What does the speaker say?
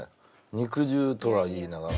肉汁とは言いながら。